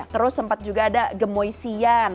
terus sempat juga ada gemoisian